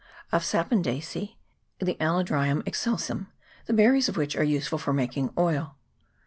Of Sapindacece the Aledryon excelsum, the berries of which are used for making oil.